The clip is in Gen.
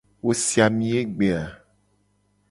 Wo si ami egbe a?